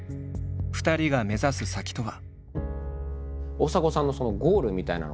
２人が目指す先とは。